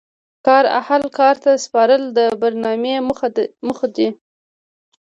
کار اهل کار ته سپارل د برنامې موخه دي.